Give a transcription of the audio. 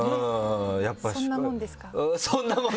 「そんなもんですか？」